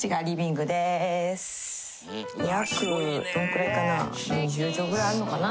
約どんくらいかな２０帖ぐらいあるのかな。